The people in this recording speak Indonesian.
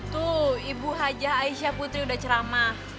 tuh ibu hajah aisyah putri udah ceramah